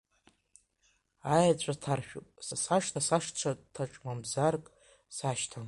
Аеҵәа ҭаршәуп са сашҭа, сашҭаҿ мазарак сашьҭам.